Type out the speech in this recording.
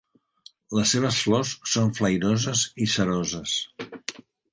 Les seves flors són flairoses i ceroses.